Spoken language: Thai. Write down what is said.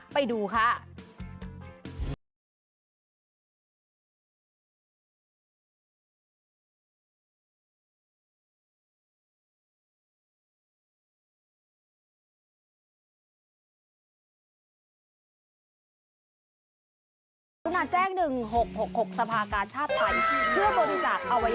ไปดูค่ะ